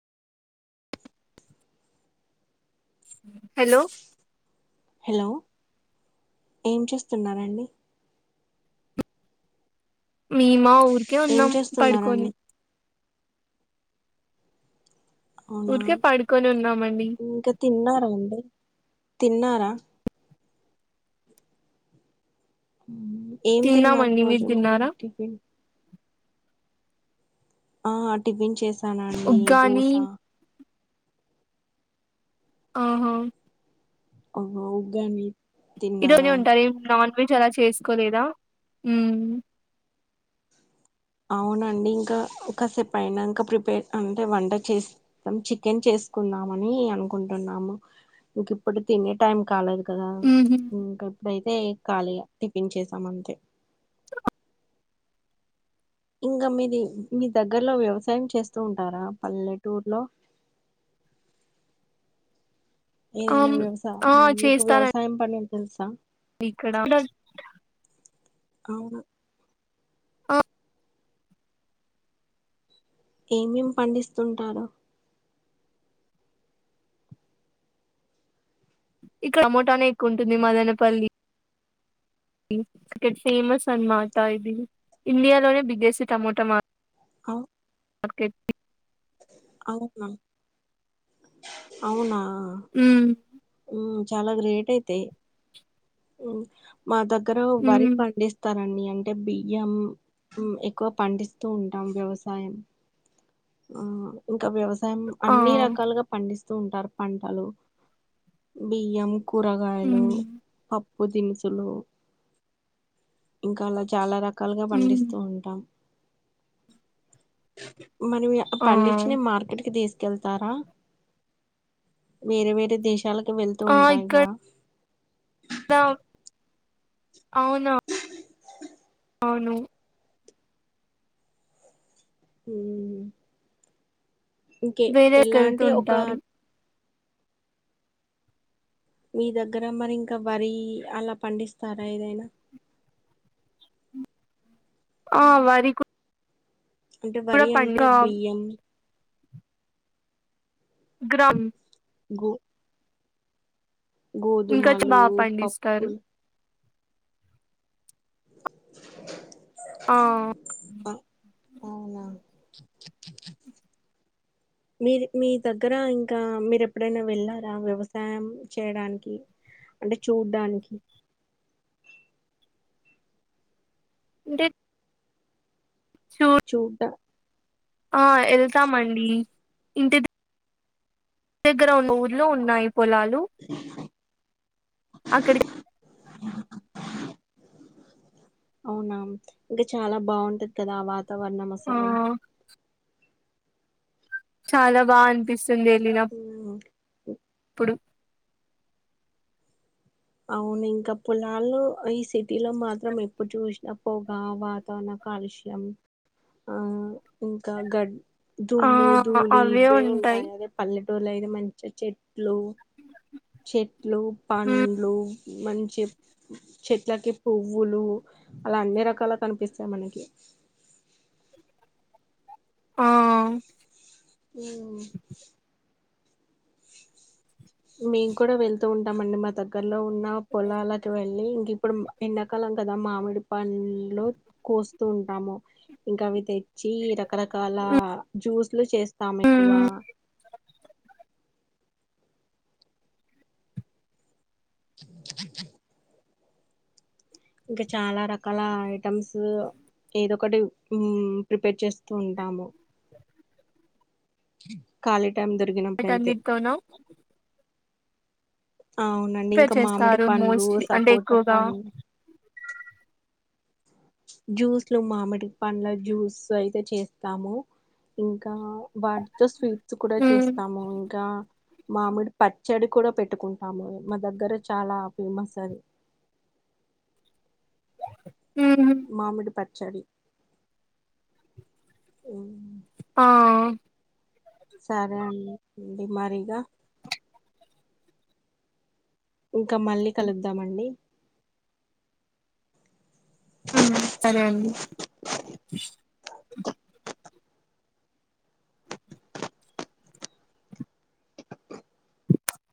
Hello hello ఏం చేస్తున్నరండి? మెమా ఊరికే ఏం ఉన్నాం పడుకొని చేస్తున్నారండి అవునా ఊరికే పడుకొని ఉన్నామండి. ఇంకా తిన్నారా అండి తిన్నారా? ఏం తిన్నారు తిన్నామండి మీరు ఈరోజు మరి తిన్నారా టిఫిన్? ఆహ టిఫిన్ చేసానండి ఉగ్గాని దోశ ఆహ ఓహో ఉగ్గాని ఇరోజే తిన్నారా ఉంటారు ఏం నాన్ వెజ్ అలా చేసుకోలేదా ఉ అవునండి ఇంకా ఒకసేపు అయినాంక ప్రిపేర్ అంటే వంట చేసి త్తం చికెన్ చేసుకుందామని అనుకుంటున్నాము ఇంక ఇప్పుడు తినే టైం కాలేదు. కదా ఉహు ఇంకా ఎప్పుడైతే కళీగా టిఫిన్ చేసామంతే [inaudible] ఇంగా మీది మీ దగ్గరలో వ్యవసాయం చేస్తూ ఉంటారా పల్లెటూర్ లో? ఏదైనా ఆమ్ వ్యవసా ఆ మీకు చేస్తారండి వ్యవసాయం పని తెలుసా ఇక్కడ అవును ఆ ఏమేం పండిస్తుంటారు ఇక్కడమోటానే ఎక్కువ ఉంటుంది మదనపల్లి ఇక్కడ్ ఫేమస్ అన్మాట ఇది ఇండియాలోనే బిగ్గెసి టమోటా మాద్ అవ్ ఓకే అవున అవునా ఉమ్ హ్మ్ చాలా గ్రేట్ అయితే హ్మ్ మా దగ్గర వరి ఉమ్ పండిస్ తారన్డి అంటే బియ్యం హ్మ్ ఎక్కువ పండిస్తూ ఉంటాం వ్యవసాయం ఆ ఇకా వ్యవస్ ఆ అన్ని రకాలుగా పండిస్తూ ఉంటారు పంటలు బియ్యం కూరగాయలు ఉమ్ పప్పు దినుసులు ఇంకా అలా చాలా రక్ కాలుగా ఉమ్ పండిస్తూ ఉంటాం మరి ఆ పండించిన మార్కెట్కి తీస్ కెళ్తారా వేరే వేరే దేశాలకు వెళ్తూ ఆ ఇక్కడ ఉంటాయ్గా [inaudible] అవునా అవును [inaudible] ఇంకే వేరేకి ఎలాంటి ఒక వెళ్తుంటారు మీ దగ్గర మరి ఇంకా వరి అలా పండిస్తారా ఏదైనా ఆ వరి క్ అంటే వరి అంటే బియ్యం గ్రామ్ గొ ఇంకొచ్చి బా గోధుమలు పండిస్తారు పప్పులు ఆ ఆ, అవునా మీది మీ దగ్గర ఇంకా మీరు ఎప్పుడనా వెళ్ళారా వ్యవసాయం చేయ్డానికి అంటే చూడ్డానికి [inaudible] చూ చూడ ఆ ఎళ్తామండి ఇంటి ద ఇంటి దగ్గర ఉన్న ఊర్లో ఉన్నాయ్ పొలాలు అక్కడి [unintelligible] అవునా ఇంకా చాలా బాగుంటది కదా ఆ వాతావరణం ఆ అసలు చాలా బా అనిపిస్తుంది ఎళ్ళినమ్ హ్మ్ అవును ఇంకా పొలాలు ఈ సిటీ లో మాత్రం ఎప్పుడు చూసినప్పు కావ ఇంకా నా కాలుష్యం ఆ ఇంకా గడ్ ఆ దుమ్ము ధూళి ఇవే ఉంటాయి అదే పల్లెటూళ్ళు అయితే మంచి చెట్లు చెట్లు ఉమ్ పండ్లు మంచెప్ చెట్లకి పువ్వులు అలా అన్ని రకాల కనిపిస్తాయి మనకి ఆ హ్మ్ మేము కూడా వెళ్తూ ఉంటాం అండి మా దగ్గర్లో ఉన్న పొలాలకు వెళ్లి ఇంకప్పుడు ఎండాకాలం కదా మామిడి పండ్లు కోస్తూ ఉంటాము ఇంకా అవితె చ్చి రకరకాల జ్యూసులుచేస్తాం ఎక్కువ ఉమ్ ఇంకా చాలా రకాల ఐటమ్స్ ఏదొ ఒకటి ప్రిపేర్ చేస్తూ ఉంటాము ఖాళీ టైం దొరికినప్పుడయితే అవునా అవునండి ప్రిపేర్ ఇంకా మామిడి చేస్తారు పండ్లు మోస్ట్లీ అంటే సపోట ఎక్కువగా పం జ్యూస్లు మామిడి పండ్ల జ్యూస్ అయితే చేస్తాము ఇంకా వాటితో స్వీట్స్ కూడా ఉమ్ చేస్తాము ఇంకా మామిడి పచ్చడి కూడా పెట్టుకుంటాము మా దగ్గర చాలా ఫేమస్ అది హ్మ్ మామిడి పచ్చడి ఉమ్, ఆ సరే అండి మరిగా ఇంకా మళ్ళీ కలుద్దామండి హ్మ్ సరే అండి